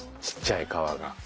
ちっちゃい川が。